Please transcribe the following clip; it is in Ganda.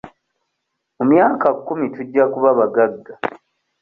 Mu myaka kkumi tujja kuba bagagga.